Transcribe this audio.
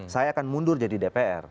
saya akan mundur jadi dpr